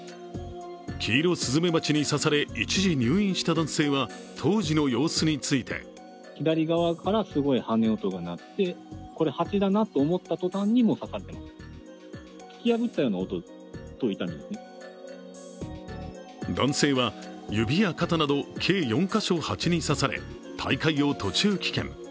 キイロスズメバチに刺され、一時入院した男性は当時の様子について男性や指や肩など計４か所をハチに刺され、大会を途中棄権。